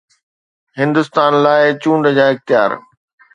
هندستان لاء چونڊ جا اختيار